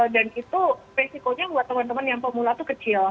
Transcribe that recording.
dan itu resikonya buat teman teman yang pemula itu kecil